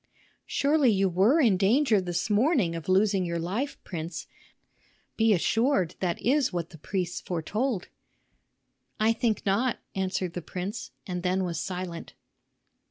"Surely you were in danger this morning of losing your life, prince; be assured that is what the priests foretold." "I think not," answered the prince, and then was silent.